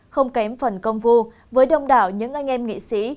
không kém phần công phu với đông đảo những anh em nghị sĩ